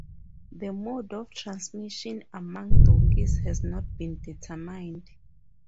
The mode of transmission among donkeys has not been determined.